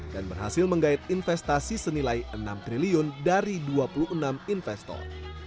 dan berhasil menggait investasi senilai rp enam triliun dari dua puluh enam investor